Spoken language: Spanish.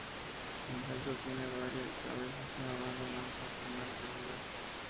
En el centro tiene a veces una banda blanca de forma irregular.